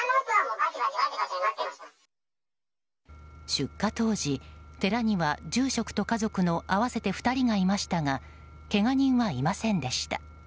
出火当時、寺には住職と家族の合わせて２人がいましたがけが人はいませんでした。